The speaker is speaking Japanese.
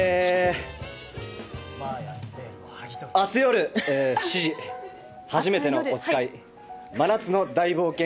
あす夜７時、はじめてのおつかい真夏の大冒険